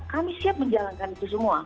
kami siap menjalankan itu semua